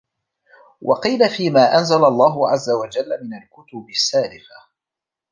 وَقِيلَ فِيمَا أَنْزَلَ اللَّهُ عَزَّ وَجَلَّ مِنْ الْكُتُبِ السَّالِفَةِ